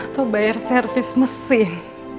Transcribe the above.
atau bayar servis mesin